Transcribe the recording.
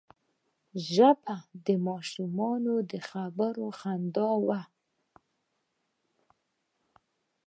ژبه د ماشومانو د خبرو خندا ده